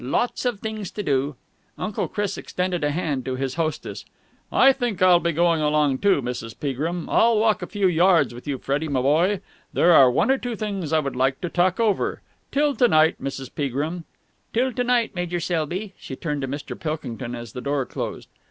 Lots of things to do." Uncle Chris extended a hand to his hostess. "I think I will be going along, too, Mrs. Peagrim. I'll walk a few yards with you, Freddie, my boy. There are one or two things I would like to talk over. Till to night, Mrs. Peagrim." "Till to night, Major Selby." She turned to Mr. Pilkington as the door closed.